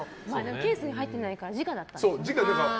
ケースに入ってないからじかだったから。